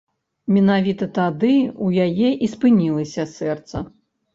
Менавіта тады ў яе і спынілася сэрца.